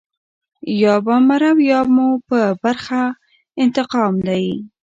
یا به مرو یا مو په برخه انتقام دی.